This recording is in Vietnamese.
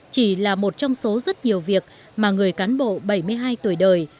chỉ là một trong số rất nhiều việc mà người cán bộ bảy mươi hai tuổi đời